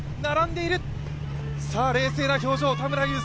冷静な表情、田村友佑。